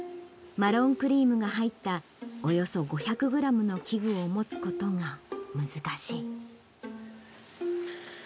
マロンクリームが入った、およそ５００グラムの器具を持つことが難しい。